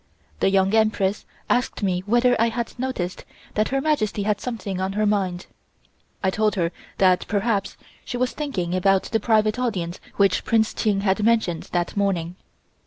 The Young Empress asked me whether I had noticed that Her Majesty had something on her mind. I told her that perhaps she was thinking about the private audience which Prince Ching had mentioned that morning.